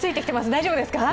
大丈夫ですか？